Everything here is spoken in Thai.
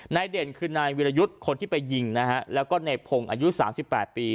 เด่นคือนายวิรยุทธ์คนที่ไปยิงนะฮะแล้วก็ในพงศ์อายุ๓๘ปี